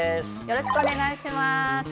よろしくお願いします。